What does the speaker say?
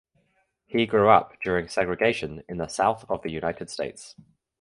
He grew up during segregation in the South of the United States.